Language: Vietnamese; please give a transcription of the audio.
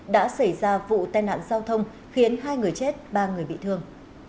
đã xảy ra vụ tai nạn giao thông khiến hai người chết ba người bị thương